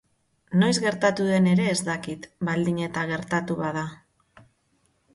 Noiz gertatu den ere ez dakit... baldin eta gertatu bada.